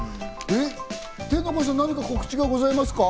天の声さん、何か告知がございますか？